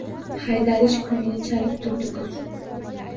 Haydalish kuyini chalib turdi kuz.